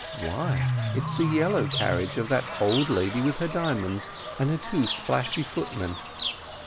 Why, it's the yellow carriage of that old lady with her diamonds, and her two splashy footmen!"